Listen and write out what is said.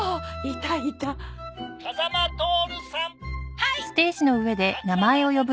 「はい！」